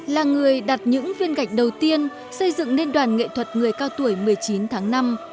là người đặt những viên gạch đầu tiên xây dựng nên đoàn nghệ thuật người cao tuổi một mươi chín tháng năm